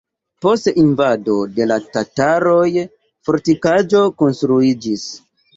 Post invado de la tataroj fortikaĵo konstruiĝis.